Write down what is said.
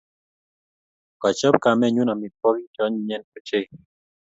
Kachop kamennyu amitwokik che anyinyen ochei.